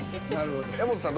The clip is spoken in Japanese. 柄本さん